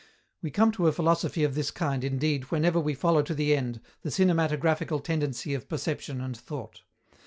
We come to a philosophy of this kind, indeed, whenever we follow to the end, the cinematographical tendency of perception and thought.